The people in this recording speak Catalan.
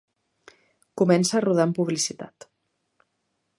Comença rodant publicitat.